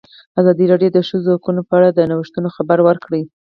ازادي راډیو د د ښځو حقونه په اړه د نوښتونو خبر ورکړی.